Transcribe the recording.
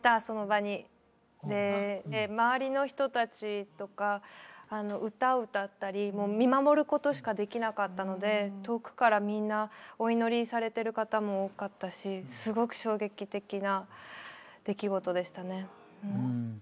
その場にで周りの人達とか歌を歌ったりもう見守ることしかできなかったので遠くからみんなお祈りされてる方も多かったしすごく衝撃的な出来事でしたね